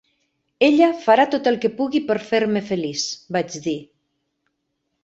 "Ella farà tot el que pugui per fer-me feliç", vaig dir.